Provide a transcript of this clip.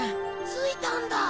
着いたんだ。